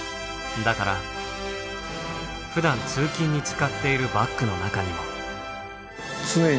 だからふだん通勤に使っているバッグの中にも。